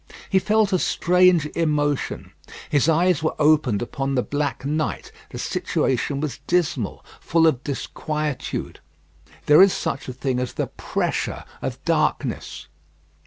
He felt a strange emotion. His eyes were opened upon the black night; the situation was dismal; full of disquietude. There is such a thing as the pressure of darkness.